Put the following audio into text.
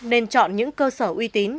nên chọn những cơ sở uy tín